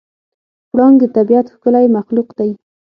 پړانګ د طبیعت ښکلی مخلوق دی.